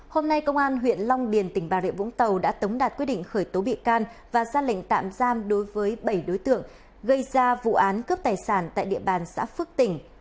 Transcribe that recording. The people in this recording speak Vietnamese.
hôm nay công an huyện long điền tỉnh bà rịa vũng tàu đã tống đạt quyết định khởi tố bị can và ra lệnh tạm giam đối với bảy đối tượng gây ra vụ án cướp tài sản tại địa bàn xã phước tỉnh